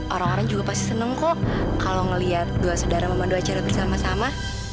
orang orang juga pasti seneng kok kalau ngelihat dua saudara membantu acara bersama sama